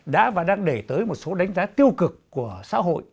đã và đang đẩy tới một số đánh giá tiêu cực của xã hội